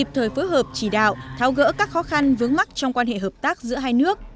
thời phối hợp chỉ đạo tháo gỡ các khó khăn vướng mắt trong quan hệ hợp tác giữa hai nước